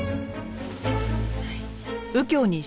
はい。